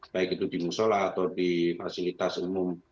baik itu di musola atau di fasilitas umum